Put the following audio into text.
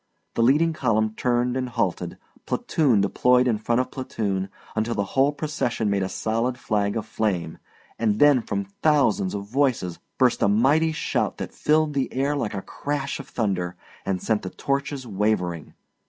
The leading column turned and halted, platoon deploys in front of platoon until the whole procession made a solid flag of flame, and then from thousands of voices burst a mighty shout that filled the air like a crash of thunder, and sent the torches wavering.